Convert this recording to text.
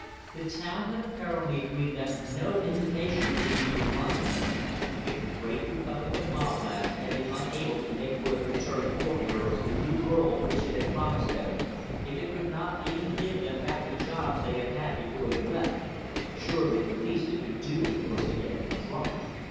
The town had apparently agreed that no invitation should be declined. If the great Republic of Mobland had been unable to make for its returned war heroes the new world which it had promised them if it could not even give them back the jobs they had had before they left surely the least it could do was to get them drunk!